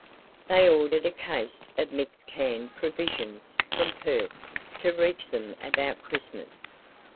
They ordered a case of mixed canned provisions from Perth to reach them about Christmas.